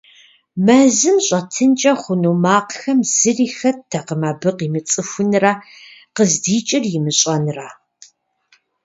Мэзым щӏэтынкӏэ хъуну макъхэм зыри хэттэкъым абы къимыцӏыхунрэ къыздикӏыр имыщӏэнрэ.